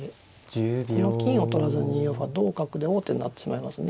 この金を取らずに２四歩は同角で王手になってしまいますね。